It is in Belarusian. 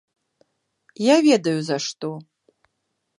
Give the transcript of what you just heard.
Я ведаю за што.